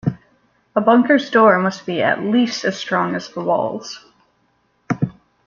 A bunker's door must be at least as strong as the walls.